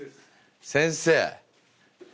先生。